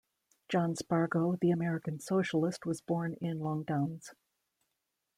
John Spargo, the American socialist, was born in Longdowns.